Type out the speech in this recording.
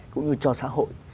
cũng như cho xã hội